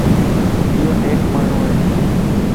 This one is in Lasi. ايو نيڪ ماڻھو ائي.